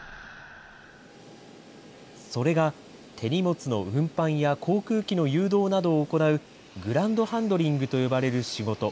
それが手荷物の運搬や航空機の誘導などを行う、グランドハンドリングと呼ばれる仕事。